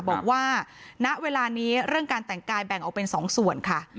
บอกว่าณเวลานี้เรื่องการแต่งกายแบ่งออกเป็น๒ส่วนค่ะ